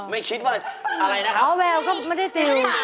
ไม่คิดว่าอะไรนะครับ